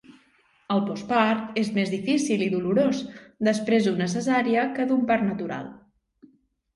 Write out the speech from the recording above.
El postpart és més difícil i dolorós després d'una cesària que d'un part natural.